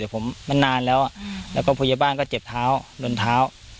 แต่ผมมันนานแล้วอืมแล้วก็ภูเยี่ยบบ้านก็เจ็บเท้าโดนเท้า